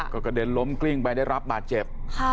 ก็กระเด็นล้มกลิ้งไปได้รับบาดเจ็บ